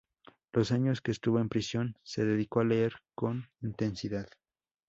Los años que estuvo en prisión se dedicó a leer con intensidad.